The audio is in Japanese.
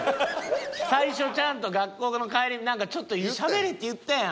最初ちゃんと学校の帰りちょっとしゃべれって言ったやん。